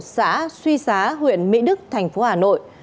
xã suy xá huyện mỹ đức thành phố hà nội